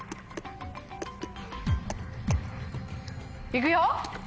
いくよ？